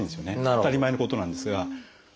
当たり前のことなんですが。